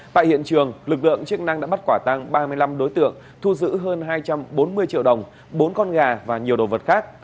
tại hiện trường lực lượng chức năng đã bắt quả tăng ba mươi năm đối tượng thu giữ hơn hai trăm bốn mươi triệu đồng bốn con gà và nhiều đồ vật khác